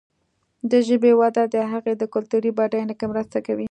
د ژبې وده د هغې د کلتوري بډاینه کې مرسته کوي.